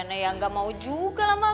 adriana yang ga mau juga lah ma